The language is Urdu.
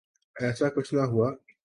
ایسا کچھ نہ ہوا۔